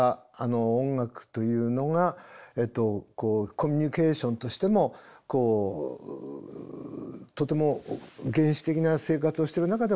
音楽というのがこうコミュニケーションとしてもこうとても原始的な生活をしてる中でも出ると。